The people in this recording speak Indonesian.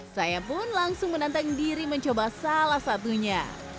saya pun langsung menantang diri mencoba salah satunya